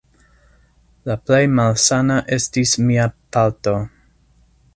La plej malsana estis mia palto.